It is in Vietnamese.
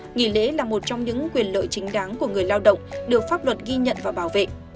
nghỉ lễ là một trong những quyền lợi chính đáng của người lao động được pháp luật ghi nhận và bảo vệ